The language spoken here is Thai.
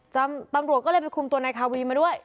ตำรวจก็เลยไปคุมตัวนายคาวีมาด้วย